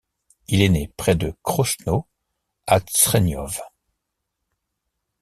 Il est né près de Krosno, à Trześniów.